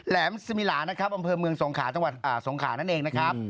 แหมสมิลานะครับอำเภอเมืองสงขาจังหวัดสงขานั่นเองนะครับ